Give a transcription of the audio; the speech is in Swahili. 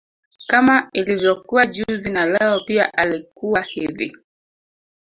Kama ilivokuwa juzi na Leo pia alikuwa hivi